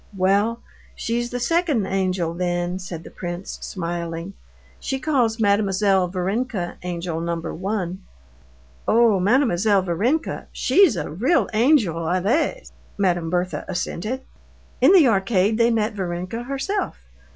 "Well, she's the second angel, then," said the prince, smiling. "she calls Mademoiselle Varenka angel number one." "Oh! Mademoiselle Varenka, she's a real angel, allez," Madame Berthe assented. In the arcade they met Varenka herself.